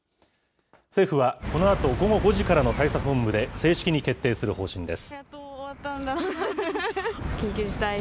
政府はこのあと午後５時からの対策本部で、正式に決定する方針です。